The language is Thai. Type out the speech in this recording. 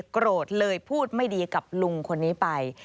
โกรธเลยพูดไม่ดีกับลุงคนนี้ไป